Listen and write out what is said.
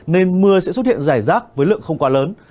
nên mưa sẽ xuất hiện rải rác với lượng không quá lớn